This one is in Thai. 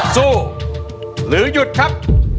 สู้หรือหยุดครับ